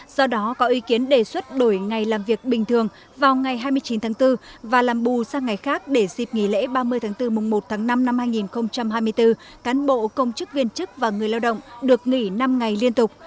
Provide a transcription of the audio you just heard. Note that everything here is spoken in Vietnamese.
do đó có ý kiến đề xuất đổi ngày làm việc bình thường vào ngày hai mươi chín tháng bốn và làm bù sang ngày khác để dịp nghỉ lễ ba mươi tháng bốn mùng một tháng năm năm hai nghìn hai mươi bốn cán bộ công chức viên chức và người lao động được nghỉ năm ngày liên tục